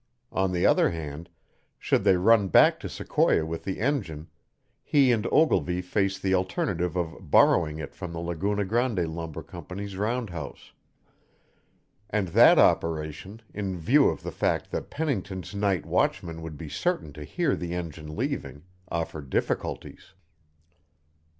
On the other hand, should they run back to Sequoia with the engine, he and Ogilvy faced the alternative of "borrowing" it from the Laguna Grande Lumber Company's roundhouse; and that operation, in view of the fact that Pennington's night watchman would be certain to hear the engine leaving, offered difficulties.